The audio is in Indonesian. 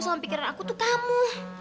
suami pikiran aku tuh kamu